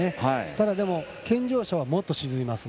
だから、でも健常者はもっと沈みます。